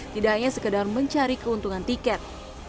tidak hanya sekedar mencari keuntungan tiket